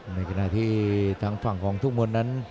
ในขณะที่ทางฝั่งของทุ่งมนต์นั้น